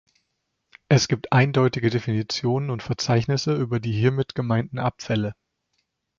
Es gibt eindeutige Definitionen und Verzeichnisse über die hiermit gemeinten Abfälle.